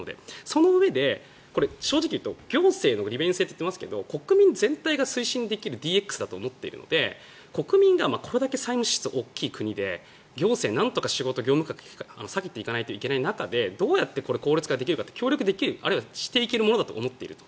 そのうえで正直言うと行政の利便性といっていますけど国民全体が推進できるＤＸだと思っているので国民がこれだけ債務支出が大きい国で行政なんとか仕事下げていかないといけない中でどうやって効率化できるかって協力できるあるいはしていけるものだと思っていると。